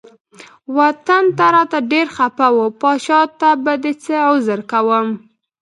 وطن ته راته ډیر خپه و پاچا ته به څه عذر کوم.